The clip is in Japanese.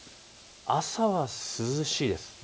朝は涼しいです。